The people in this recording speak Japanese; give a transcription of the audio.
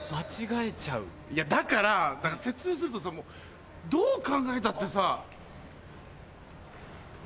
だから説明するとどう考えたってさ。